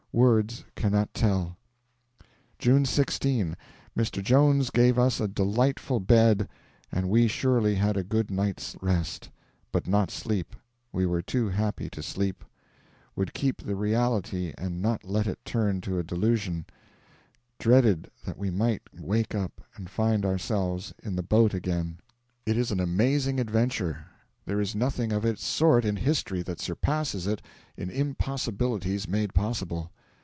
Words cannot tell. June 16. Mr. Jones gave us a delightful bed, and we surely had a good night's rest; but not sleep we were too happy to sleep; would keep the reality and not let it turn to a delusion dreaded that we might wake up and find ourselves in the boat again. It is an amazing adventure. There is nothing of its sort in history that surpasses it in impossibilities made possible.